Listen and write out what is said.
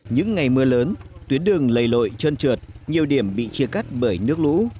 những ngày mưa lớn tuyến đường lầy lội trơn trượt nhiều điểm bị chia cắt bởi nước lũ